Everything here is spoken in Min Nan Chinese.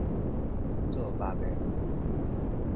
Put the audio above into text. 做木的